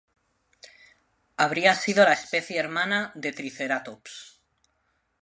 Habría sido la especie hermana de "Triceratops".